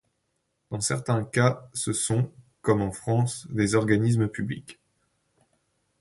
Dans certains cas ce sont, comme en France, des organismes publics.